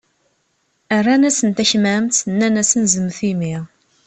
Rran-asen takmamt, nnan-asen zemmet imi.